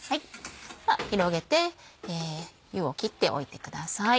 では広げて湯を切っておいてください。